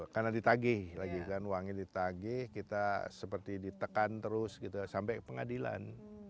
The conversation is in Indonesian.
karena ditagih lagi kan uangnya ditagih kita seperti ditekan terus gitu sampai ke pengadilan